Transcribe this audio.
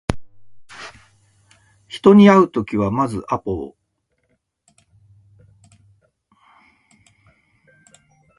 人に会うときはまずアポを